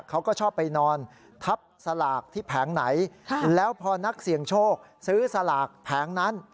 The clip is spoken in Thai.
เขาก็ชอบไปนอนทับสลากที่แผงไหนแล้วพอนักเสี่ยงโชคซื้อสลากแผงนั้น